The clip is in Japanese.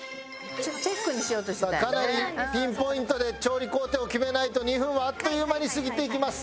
さあかなりピンポイントで調理工程を決めないと２分はあっという間に過ぎていきます。